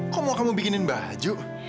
kok mau kamu bikinin baju